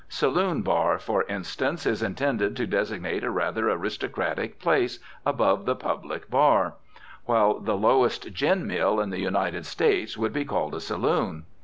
Saloon bar, for instance, is intended to designate a rather aristocratic place, above the public bar; while the lowest "gin mill" in the United States would be called a "saloon."